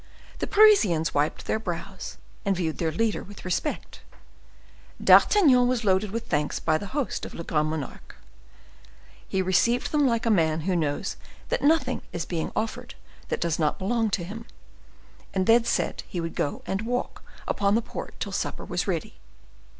The Parisians wiped their brows, and viewed their leader with respect. D'Artagnan was loaded with thanks by the host of "Le Grand Monarque." He received them like a man who knows that nothing is being offered that does not belong to him, and then said he would go and walk upon the port till supper was ready.